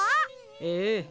ええ。